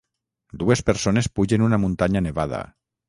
Dues persones pugen una muntanya nevada.